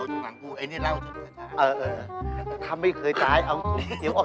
เย็นสบายกว่าอีก